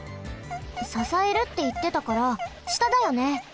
ささえるっていってたからしただよね？